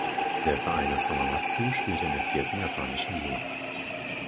Der Verein aus Hamamatsu spielte in der vierten japanischen Liga.